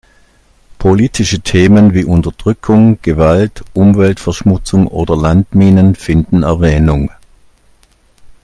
Politische Themen wie Unterdrückung, Gewalt, Umweltverschmutzung oder Landminen finden Erwähnung.